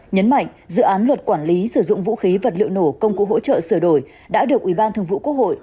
nhấn mạnh dự án luật quản lý sử dụng vũ khí vật liệu nổ công cụ hỗ trợ sửa đổi đã được ủy ban thường vụ quốc hội